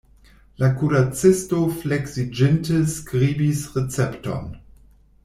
La kuracisto fleksiĝinte skribis recepton.